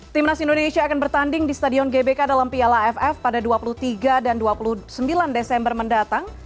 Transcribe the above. timnas indonesia akan bertanding di stadion gbk dalam piala aff pada dua puluh tiga dan dua puluh sembilan desember mendatang